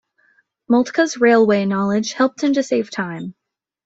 Moltke's railway knowledge helped him to save time.